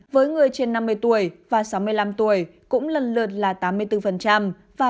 với người trên năm mươi tuổi và sáu mươi năm tuổi cũng lần lượt là tám mươi bốn và tám mươi một